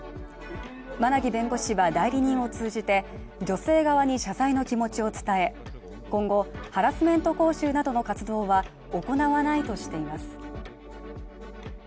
馬奈木弁護士は代理人を通じて、女性側に謝罪の気持ちを伝え今後、ハラスメント講習などの活動は行わないとしています。